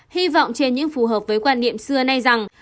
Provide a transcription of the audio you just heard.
hy vọng trên những phù hợp với quan niệm xưa nay rằng